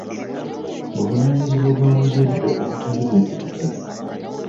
buvunaanyizibwa bwa muzadde obutali bwetegekere